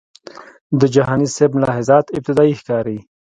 د جهانی سیب ملاحظات ابتدایي ښکاري.